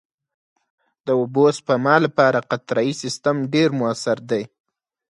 د اوبو سپما لپاره قطرهيي سیستم ډېر مؤثر دی.